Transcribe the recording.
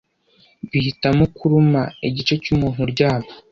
bihitamo kuruma igice cyumuntu uryamye